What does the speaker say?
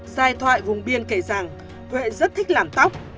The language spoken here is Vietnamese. giai thoại vùng biên kể rằng vậy rất thích làm tóc